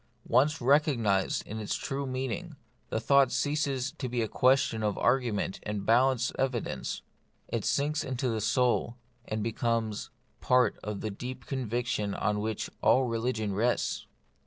Once recognised in its true meaning, the thought ceases to be a question of argument and balanced evidence ; it sinks into the soul, and becomes part of that deep conviction on which all religion rests.